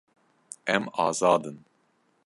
Em azad in.